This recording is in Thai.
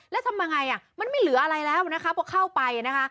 แล้วทำไงมันไม่เหลืออะไรแล้วนะครับเพราะเข้าไปนะคะ